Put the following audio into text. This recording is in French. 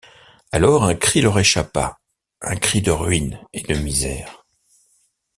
Alors, un cri leur échappa, un cri de ruine et de misère.